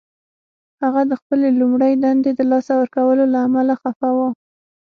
هغه د خپلې لومړۍ دندې د لاسه ورکولو له امله خفه و